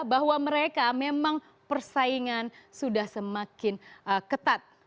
bahwa mereka memang persaingan sudah semakin ketat